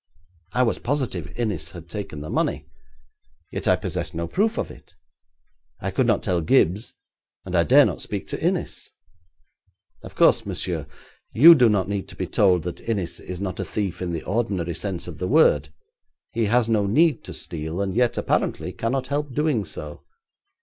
I was positive Innis had taken the money, yet I possessed no proof of it. I could not tell Gibbes, and I dare not speak to Innis. Of course, monsieur, you do not need to be told that Innis is not a thief in the ordinary sense of the word. He has no need to steal, and yet apparently cannot help doing so.